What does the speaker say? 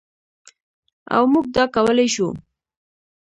او موږ دا کولی شو.